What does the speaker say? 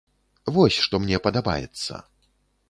Вось што мне падабаецца.